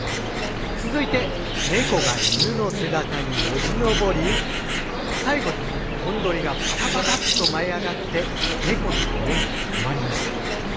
続いて猫が犬の背中によじ登り最後におんどりがパタパタッと舞い上がって猫の上に止まりました。